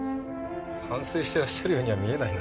反省してらっしゃるようには見えないな。